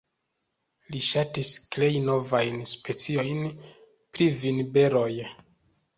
Li ŝatis krei novajn speciojn pri vinberoj.